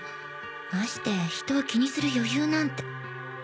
まして人を気にする余裕なんて。